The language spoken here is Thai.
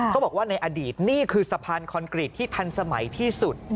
เขาบอกว่าในอดีตนี่คือสะพานคอนกรีตที่ทันสมัยที่สุด